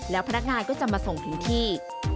แล้วพนักงานก็จะมาส่งถึงที่